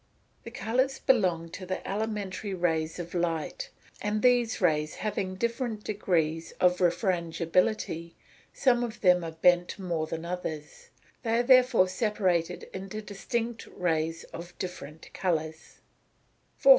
_ The colours belong to the elementary rays of light; and these rays having different degrees of refrangibility, some of them are bent more than others; they are therefore separated into distinct rays of different colours.